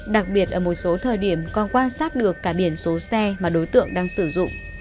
đặc biệt ở một số thời điểm còn quan sát được cả biển số xe mà đối tượng đang sử dụng